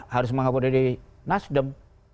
harus mengakomodasi nasdem